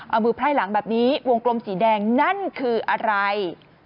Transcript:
เอามือไพร่หลังแบบนี้วงกลมสีแดงนั่นคืออะไร